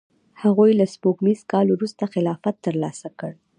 هغوی له سپوږمیز کال وروسته خلافت ترلاسه کړ.